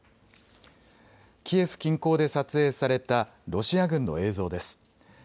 キエフ近郊で撮影されたロシア軍の映像です。